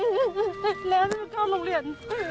เสร็จแล้วจะเข้าโรงเรียน